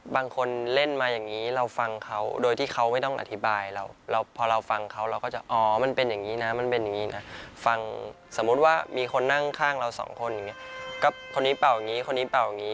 มีคนนั่งข้างเราสองคนก็คนนี้เปล่าอย่างนี้คนนี้เปล่าอย่างนี้